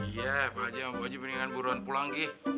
iya pak haji mabuk aja mendingan buruan pulang gih